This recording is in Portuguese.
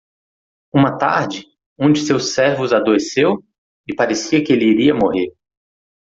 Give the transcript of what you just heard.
Uma tarde? um de seus servos adoeceu? e parecia que ele iria morrer.